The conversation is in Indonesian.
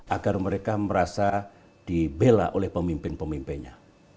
agar mereka merasa dibela oleh pemimpin pemimpinnya